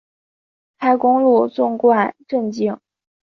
开公路纵贯镇境。